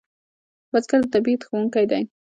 بزګر د طبیعت ښوونکی دی